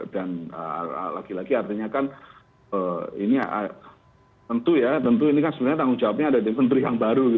dan lagi lagi artinya kan ini ya tentu ya ini kan sebenarnya tanggung jawabnya ada di menteri yang baru